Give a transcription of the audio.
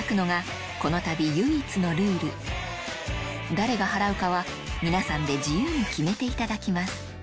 誰が払うかは皆さんで自由に決めていただきます